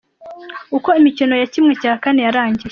Uko imikino ya ¼ yarangiye :